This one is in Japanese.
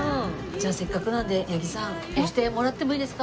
じゃあせっかくなんで八木さん押してもらってもいいですか？